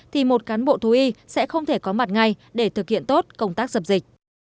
thì một cán bộ thú y sẽ không thể có mặt ngay để thực hiện tốt công tác dập dịch